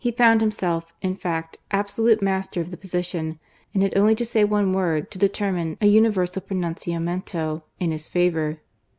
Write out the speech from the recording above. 183 found himself, in fact, absolute master of the position, and had only to say one word to determine a universal pronunciamento in his favour.